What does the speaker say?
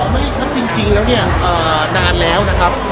ไม่ครับจริงแล้วเนี่ยนานแล้วนะครับ